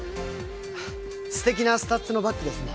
ハッすてきなスタッズのバッグですね。